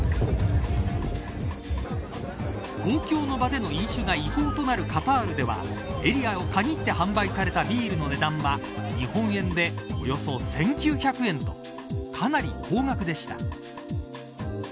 公共の場での飲酒が違法となるカタールではエリアを限って販売されたビールの値段は日本円でおよそ１９００円とかなり高額でした。